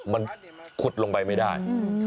มันขุดลงไปไม่ได้